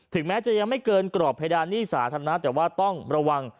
แม้จะยังไม่เกินกรอบเพดานหนี้สาธารณะแต่ว่าต้องระวัง